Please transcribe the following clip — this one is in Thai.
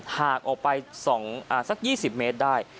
หากออกไปสองอ่าสักยี่สิบเมตรได้